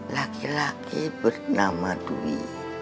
laki laki bernama dwi